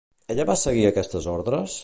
Ella va seguir aquestes ordres?